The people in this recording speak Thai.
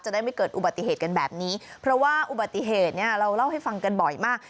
ได้ไม่เกิดอุบัติเหตุกันแบบนี้เพราะว่าอุบัติเหตุเนี่ยเราเล่าให้ฟังกันบ่อยมาก